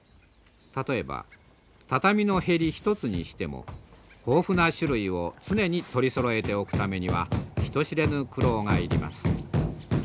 例えば畳の縁一つにしても豊富な種類を常に取りそろえておくためには人知れぬ苦労が要ります。